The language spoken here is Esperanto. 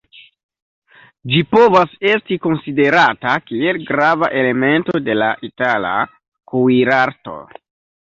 Ĝi povas esti konsiderata kiel grava elemento de la Itala kuirarto.